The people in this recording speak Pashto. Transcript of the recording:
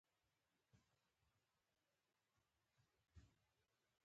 ټام په خپلې ستنې پیشو ووهله او هغه وتښتیده.